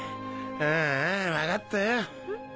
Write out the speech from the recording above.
ああ分かったよ。